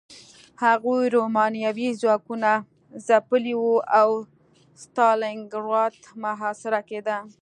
هغوی رومانیايي ځواکونه ځپلي وو او ستالینګراډ محاصره کېده